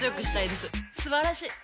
すばらしい！